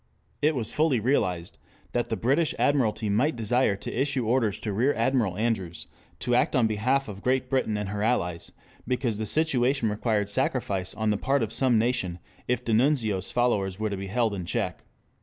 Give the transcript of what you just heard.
It was fully realized that the British Admiralty might desire to issue orders to Rear Admiral Andrews to act on behalf of Great Britain and her Allies, because the situation required sacrifice on the part of some nation if D'Annunzio's followers were to be held in check.